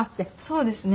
そうですね。